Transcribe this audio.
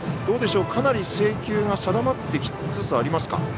どうでしょう、かなり制球が定まってきつつありますか。